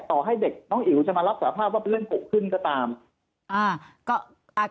ต่อให้เด็กน้องอิ๋วจะมารับสภาพว่าเป็นเรื่องหกขึ้นก็ตาม